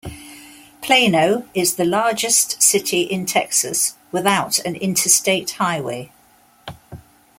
Plano is the largest city in Texas without an Interstate Highway.